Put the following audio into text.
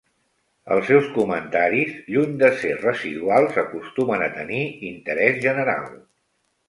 Els seus comentaris, lluny de ser residuals, acostumen a tenir interès general.